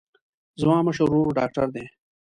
زما مشر ورور ډاکتر دی.